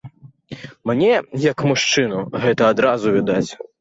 Мне як мужчыну гэта адразу відаць.